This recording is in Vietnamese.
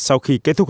sau khi kết thúc